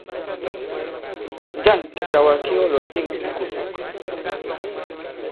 Njâŋ kìcàwà ki ɔ lɔ̀dîŋ ikòsòk?